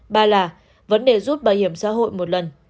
ba là vấn đề rút bảo hiểm xã hội một lần